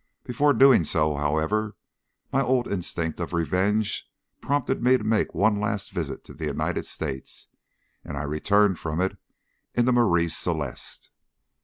Before doing so, however, my old instinct of revenge prompted me to make one last visit to the United States, and I returned from it in the Marie Celeste.